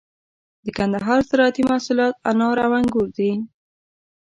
د کندهار زراعتي محصولات انار او انگور دي.